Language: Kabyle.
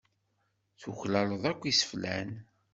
Tuklaleḍ akk iseflan.